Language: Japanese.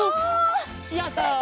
やった！